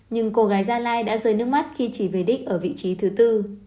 nhưng cô gái giai lai đã rơi nước mắt khi chỉ về đích ở vị trí thứ bốn